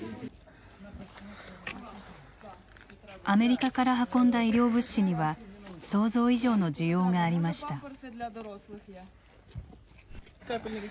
アメリカから運んだ医療物資には想像以上の需要がありました。